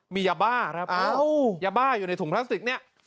มียาบ้าครับยาบ้าอยู่ในถุงพลาสติกเนี่ย